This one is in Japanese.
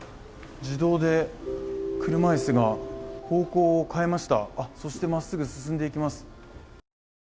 自動で車椅子が方向を変えましたそしてまっすぐ進んでいきます。